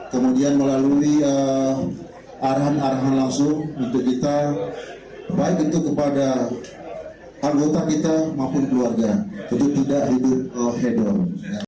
kemudian melalui arahan arahan langsung untuk kita baik itu kepada anggota kita maupun keluarga untuk tidak hidup hedong